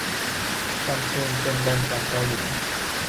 ซัมซุงเป็นแบรนด์จากเกาหลี